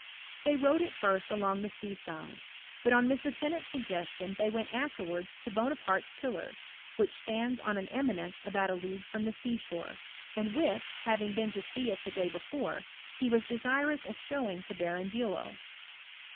They rode at first along the sea side ; but, on Mr. Tennant's suggestion, they went afterwards to Bo naparte's pillar, which stands on an eminence about a league from the sea shore, and which, having been to see it the day before, he was desirous of showing to Baron Bulow.